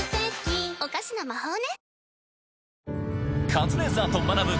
『カズレーザーと学ぶ。』